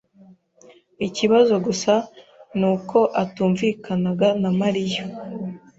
Ikibazo gusa ni uko atumvikanaga na Mariya.